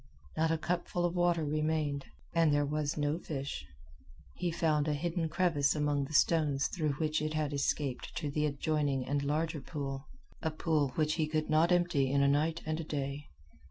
Not a cupful of water remained. And there was no fish. He found a hidden crevice among the stones through which it had escaped to the adjoining and larger pool a pool which he could not empty in a night and a day.